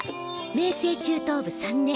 明青中等部３年。